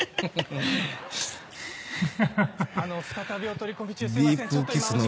あの再びお取り込み中すいません。